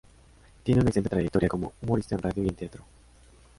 Tiene una extensa trayectoria como humorista en radio y en teatro.